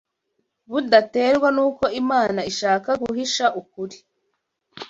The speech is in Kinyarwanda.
budaterwa n’uko Imana ishaka guhisha ukuri